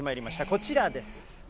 こちらです。